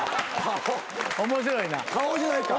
面白いな。